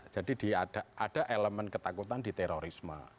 jadi ada elemen ketakutan di terorisme